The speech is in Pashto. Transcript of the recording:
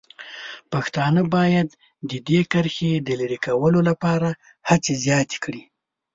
پښتانه باید د دې کرښې د لرې کولو لپاره هڅې زیاتې کړي.